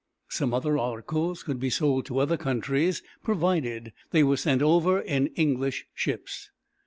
Some other articles could be sold to other countries, provided they were sent over in English ships.